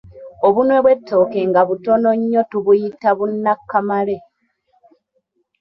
Obunwe bw’ettooke nga butono nnyo tubuyita Bunakamale.